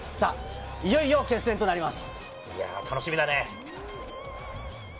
いよいよ決戦となります。